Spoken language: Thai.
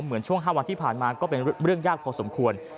เหมือนช่วง๕วันที่ผ่านมาก็เป็นเรื่องยากพอสมควร